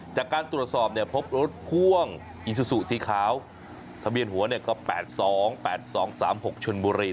จากการตรวจสอบพบรถพ่วงอีซูซูสีขาวทะเบียนหัวก็๘๒๘๒๓๖ชนบุรี